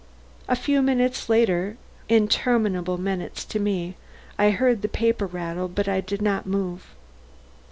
A few minutes later interminable minutes to me I heard the paper rattle, but I did not move.